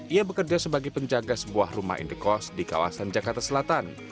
ia bekerja sebagai penjaga sebuah rumah indekos di kawasan jakarta selatan